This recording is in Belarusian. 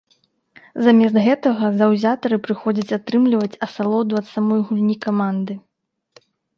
Замест гэтага заўзятары прыходзяць атрымліваць асалоду ад самой гульні каманды.